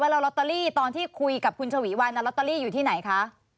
แล้วลอตเตอรี่ตอนที่คุยกับคุณฉวีวันลอตเตอรี่อยู่ที่ไหนคะ